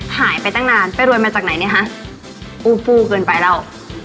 หายไปตั้งนานไปรวยมาจากไหนเนี่ยฮะอู้ฟู้เกินไปแล้ว